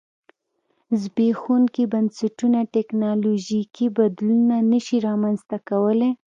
زبېښونکي بنسټونه ټکنالوژیکي بدلونونه نه شي رامنځته کولای